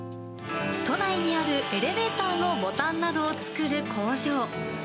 都内にあるエレベーターのボタンなどを作る工場。